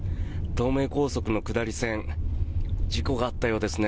東名高速の下り線事故があったようですね。